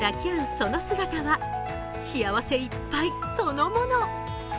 その姿は、幸せいっぱいそのもの。